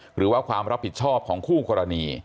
หรือว่าความรับผิดชอบของคู่กรณี